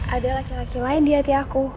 ada laki laki lain di hati aku